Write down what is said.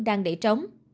đang đẩy trống